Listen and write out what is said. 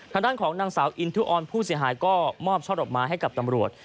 ทางด้านของนางสาวอินทุออนผู้เสียหายก็มอบช่อดอกไม้ให้กับตำรวจ